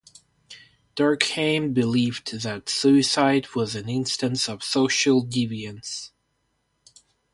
Durkheim believed that suicide was an instance of social deviance.